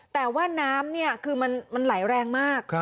แต่ว่าน้ำเนี่ยคือมันไหลแรงมาก